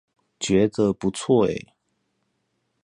覺得不錯欸